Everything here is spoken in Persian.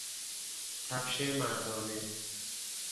کفش مردانه